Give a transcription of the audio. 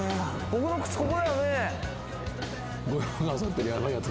僕の靴ここだよね。